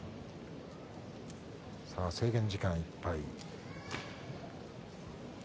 制限時間いっぱい。